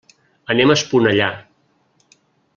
Anem a Esponellà.